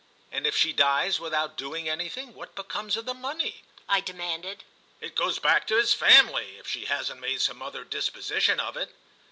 "And if she dies without doing anything, what becomes of the money?" I demanded. "It goes back to his family, if she hasn't made some other disposition of it."